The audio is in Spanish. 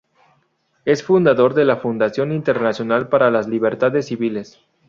Es fundador de la Fundación Internacional para las Libertades Civiles.